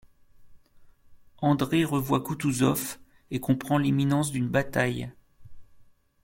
André revoit Koutouzov, et comprend l'imminence d'une bataille.